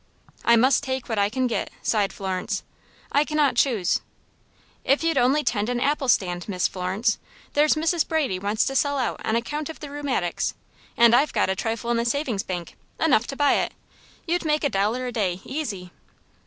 "I must take what I can get," sighed Florence. "I cannot choose." "If you'd only tend an apple stand, Miss Florence! There's Mrs. Brady wants to sell out on account of the rheumatics, and I've got a trifle in the savings bank enough to buy it. You'd make a dollar a day, easy."